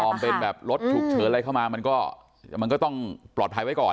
พอมันเป็นแบบรถฉุกเฉินอะไรเข้ามามันก็มันก็ต้องปลอดภัยไว้ก่อน